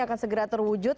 akan segera terwujud